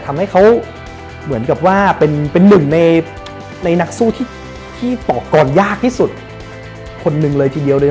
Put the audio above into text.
ทำให้เขาเหมือนกับว่าเป็นหนึ่งในนักสู้ที่ปอกกรยากที่สุดคนหนึ่งเลยทีเดียวเลย